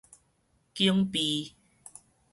警備